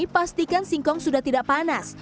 pastikan singkong sudah tidak panas